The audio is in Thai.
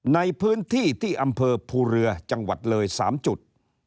ในพื้นที่ที่อำเภอภูเรือจังหวัดเลย๓จุด